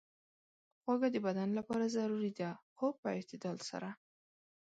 خوږه د بدن لپاره ضروري ده، خو په اعتدال سره.